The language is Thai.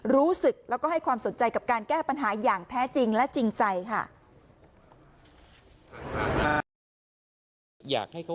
รู้สึกแล้วก็ให้ความสนใจกับการแก้ปัญหาอย่างแท้จริงและจริงใจค่ะ